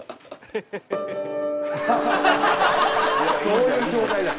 どういう状態だ。